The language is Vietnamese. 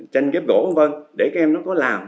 tranh ghép gỗ v v để các em nó có làm